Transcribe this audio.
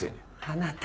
あなた。